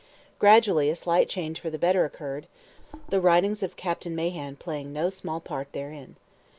Gradually a slight change for the better occurred, the writings of Captain Mahan playing no small part therein.